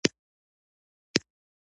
کمپنیو سهامدارانو کنټرول کې ده.